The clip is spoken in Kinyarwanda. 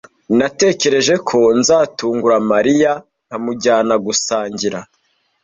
Natekereje ko nzatungura Mariya nkamujyana gusangira.